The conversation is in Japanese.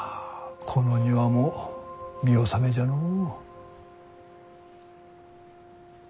この庭も見納めじゃのう。